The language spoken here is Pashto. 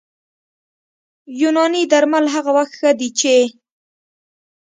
یوناني درمل هغه وخت ښه دي چې